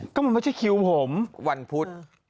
ก็มันไม่ใช่คิวผมวันพุธ